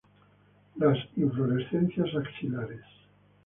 Las inflorescencias axilares.